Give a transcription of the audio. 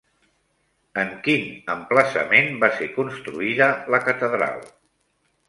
En quin emplaçament va ser construïda la catedral?